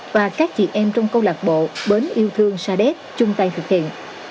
và các chị em trong câu lạc bộ bến yêu thương sa đéc chung tay thực hiện